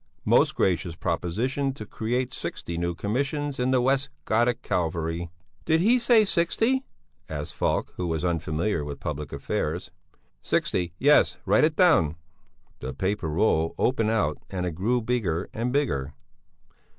most gracious proposition to create sixty new commissions in the West Gotic cavalry." "Did he say sixty?" asked Falk, who was unfamiliar with public affairs. "Sixty, yes; write it down." The paper roll opened out and grew bigger and bigger.